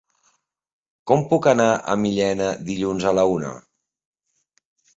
Com puc anar a Millena dilluns a la una?